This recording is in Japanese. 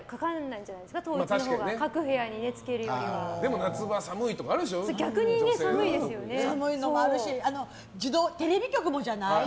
でも夏場に寒いのもあるしテレビ局もじゃない？